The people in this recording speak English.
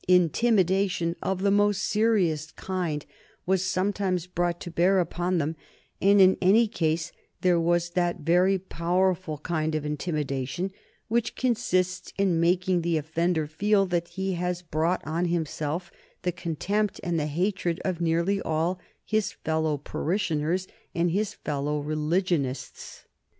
Intimidation of the most serious kind was sometimes brought to bear upon them, and in any case there was that very powerful kind of intimidation which consists in making the offender feel that he has brought on himself the contempt and the hatred of nearly all his fellow parishioners and his fellow religionists.